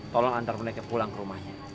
tolong antar mereka pulang ke rumahnya